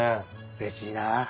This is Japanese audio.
うれしいなあ。